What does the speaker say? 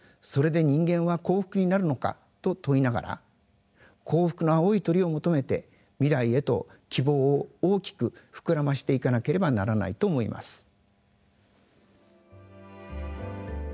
それで人間は幸福になるのかと問いながら幸福の青い鳥を求めて未来へと希望を大きく膨らましていかなければならないと思います。